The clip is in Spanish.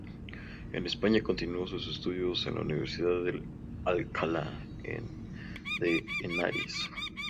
En España, continuó sus estudios en la Universidad de Alcalá de Henares.